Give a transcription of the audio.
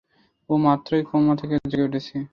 ও মাত্রই কোমা থেকে জেগে উঠেছে!